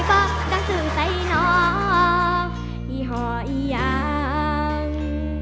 บอกกังสึกใส่น้องอีห่ออีอัง